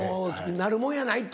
なるもんやないと。